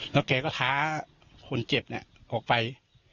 แล้วแกก็ท้าคนเจ็บออกไป